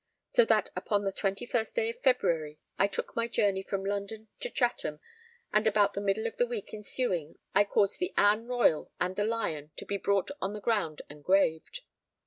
So that upon the 21st day of February I took my journey from London to Chatham, and about the middle of the week ensuing I caused the Anne Royal and the Lion to be brought on the ground and graved.